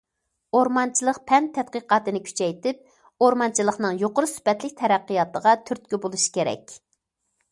ئورمانچىلىق پەن تەتقىقاتىنى كۈچەيتىپ، ئورمانچىلىقنىڭ يۇقىرى سۈپەتلىك تەرەققىياتىغا تۈرتكە بولۇش كېرەك.